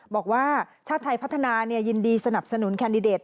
บอกว่าชาติไทยพัฒนายินดีสนับสนุนแคนดิเดต